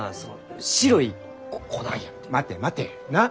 待て待て。なあ。